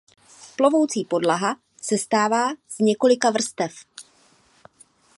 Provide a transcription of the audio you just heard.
Plovoucí podlaha sestává z několika vrstev.